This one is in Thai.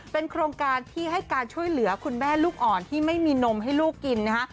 เป็นโครงการที่ให้การช่วยเหลือคุณแม่ลูกอ่อนที่ไม่มีนมให้ลูกกินนะฮะ